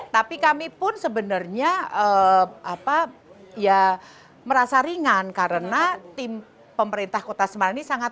tapi kami pun sebenarnya merasa ringan karena tim pemerintah kota semarang ini sangat